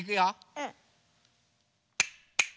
うん。